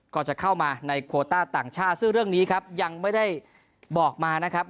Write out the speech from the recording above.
ก็จะเข้ามาในโคต้าต่างชาติซึ่งเรื่องนี้ครับยังไม่ได้บอกมานะครับ